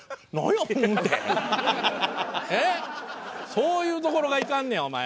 そういうところがいかんのやお前は。